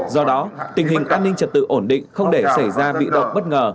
do đó tình hình an ninh trật tự ổn định không để xảy ra bị động bất ngờ